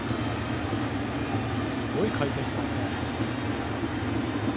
すごい回転してますね。